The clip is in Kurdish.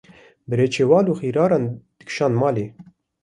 barê çewal û xiraran dikşandin malê.